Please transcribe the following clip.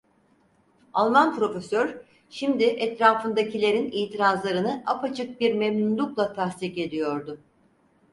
Alman profesör şimdi etrafındakilerin itirazlarını apaçık bir memnunlukla tasdik ediyordu.